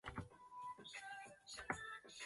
阿德尔茨豪森是德国巴伐利亚州的一个市镇。